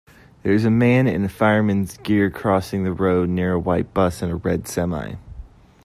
There is a man in fireman s gear crossing the road near a white bus and a red semi